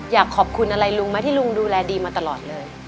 อยากขอบคุณอะไรลุงไหมที่ลุงดูแลดีมาตลอดเลย